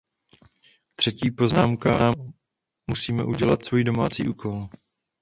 Třetí poznámka, musíme udělat svůj domácí úkol.